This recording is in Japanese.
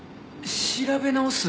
調べ直す？